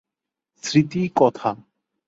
স্মৃতি কথা